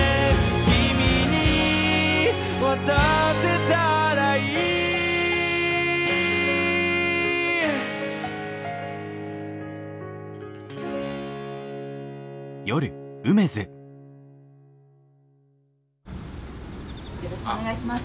「君に渡せたらいい」・よろしくお願いします。